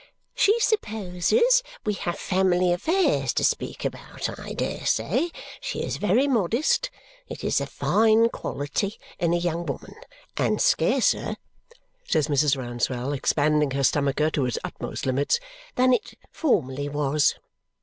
"She supposes we have family affairs to speak about, I dare say. She is very modest. It is a fine quality in a young woman. And scarcer," says Mrs. Rouncewell, expanding her stomacher to its utmost limits, "than it formerly was!"